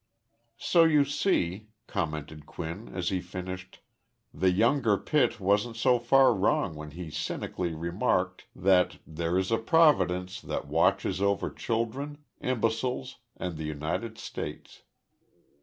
"So you see," commented Quinn as he finished, "the younger Pitt wasn't so far wrong when he cynically remarked that 'there is a Providence that watches over children, imbeciles, and the United States.'